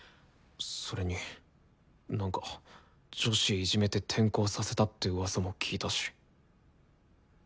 それになんか女子いじめて転校させたってうわさも聞いたし。